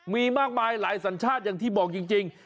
มีมากมายหลายสัญชาติอย่างที่บอกจริง